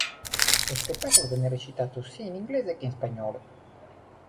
Lo spettacolo venne recitato sia in inglese che in spagnolo.